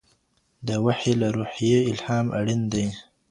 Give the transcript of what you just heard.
د وحې له روحیې الهام اړین دی.